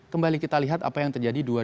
kembali kita lihat apa yang terjadi di bumn